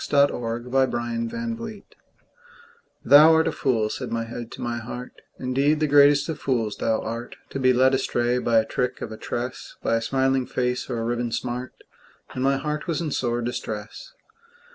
Paul Laurence Dunbar Retort THOU art a fool," said my head to my heart, "Indeed, the greatest of fools thou art, To be led astray by trick of a tress, By a smiling face or a ribbon smart;" And my heart was in sore distress.